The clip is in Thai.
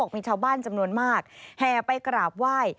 มีชาวบ้านจำนวนมากแห่ไปกราบไหว้